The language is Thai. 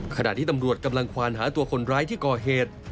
ขณะที่ตำรวจกำลังควานหาตัวคนร้ายที่ก่อเหตุ